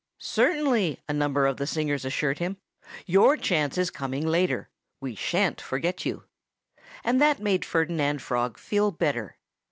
"Certainly!" a number of the singers assured him. "Your chance is coming later. We shan't forget you." And that made Ferdinand Frog feel better.